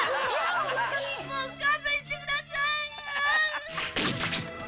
もう勘弁してください。